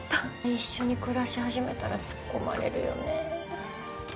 一緒に暮らし始めたら突っ込まれるよね。